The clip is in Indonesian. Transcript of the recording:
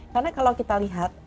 karena kalau kita lihat